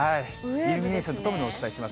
イルミネーションと共にお伝えします。